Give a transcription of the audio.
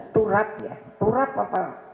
turat ya turat apa